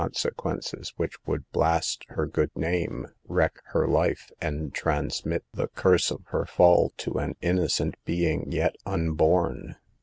sequences which would blast her good name, wreck her life and transmit the curse of her fall to an innocent being yet unborn.